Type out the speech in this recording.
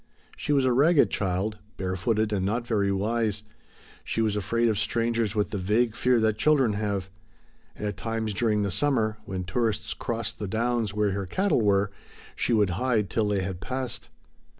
She was a ragged child, barefooted and not very wise; she was afraid of strangers with the vague fear that children have. And at times during the summer, when tourists crossed the downs where her cattle were, she would hide till they had passed.